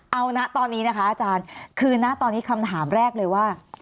เอานะตอนนี้นะคะอาจารย์คือนะตอนนี้คำถามแรกเลยว่า